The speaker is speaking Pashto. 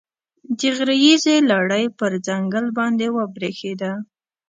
د غره ییزې لړۍ پر ځنګل باندې وبرېښېده.